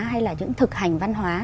hay là những thực hành văn hóa